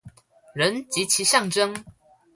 人及其象徵